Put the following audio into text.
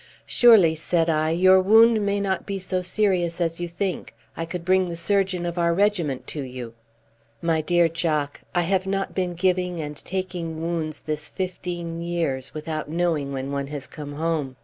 "Surely," said I, "your wound may not be so serious as you think. I could bring the surgeon of our regiment to you." "My dear Jock, I have not been giving and taking wounds this fifteen years without knowing when one has come home.